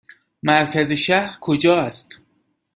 مرکز شهر کجا است؟